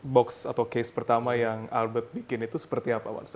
box atau case pertama yang albert bikin itu seperti apa mas